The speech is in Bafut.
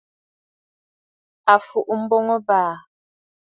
À fùʼu mboŋ ɨ̀bàà!